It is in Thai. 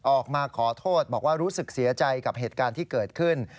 ออกมาขอโทษบอกว่ารู้สึกเสียใจกับเหตุการณ์ที่เกิดขึ้น